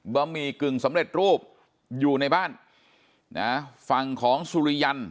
บะหมี่กึ่งสำเร็จรูปอยู่ในบ้านนะฝั่งของสุริยัน